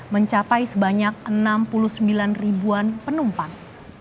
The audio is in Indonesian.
mencapai sebanyak enam puluh sembilan ribuan penumpang